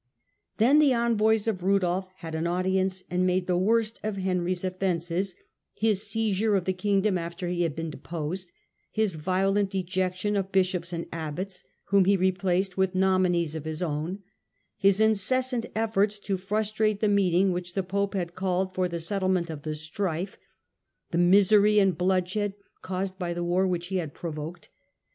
Then the envoys of Rudolf had an audience, and made the worst of Henry's offences — his seizure of the king dom after he had been deposed, his violent ejection of bishops and abbots, whom he replaced with nominees of his own, his incessant efforts to frustrate the meeting which the pope had called for the settlement of the strife, the misery, and bloodshed caused by the war which he had provoked.